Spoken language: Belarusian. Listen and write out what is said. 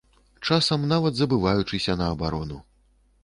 Часам нават забываючыся на абарону.